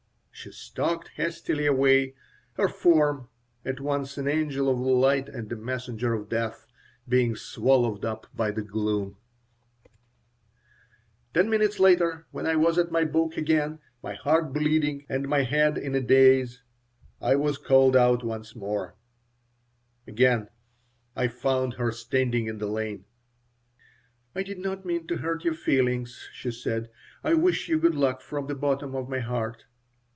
She stalked hastily away, her form, at once an angel of light and a messenger of death, being swallowed up by the gloom Ten minutes later, when I was at my book again, my heart bleeding and my head in a daze, I was called out once more Again I found her standing in the lane "I did not mean to hurt your feelings," she said. "I wish you good luck from the bottom of my heart."